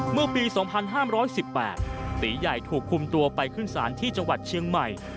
เมื่อปี๒๕๑๘ตีใหญ่ถูกคุมตัวไปขึ้นศาลที่จังหวัดเชียงใหม่